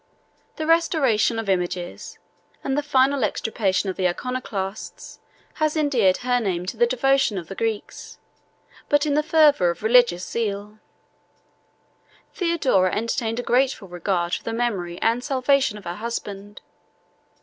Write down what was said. The restoration of images, and the final extirpation of the Iconoclasts, has endeared her name to the devotion of the Greeks; but in the fervor of religious zeal, Theodora entertained a grateful regard for the memory and salvation of her husband.